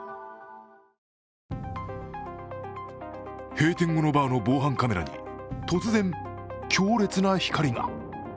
閉店後のバーの防犯カメラに突然、強烈な光が。